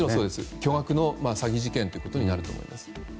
巨額の詐欺事件ということになると思います。